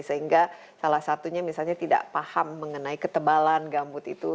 sehingga salah satunya misalnya tidak paham mengenai ketebalan gambut itu